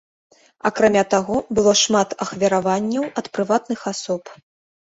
Акрамя таго, было шмат ахвяраванняў ад прыватных асоб.